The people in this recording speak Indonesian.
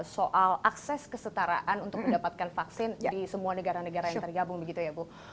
soal akses kesetaraan untuk mendapatkan vaksin di semua negara negara yang tergabung begitu ya bu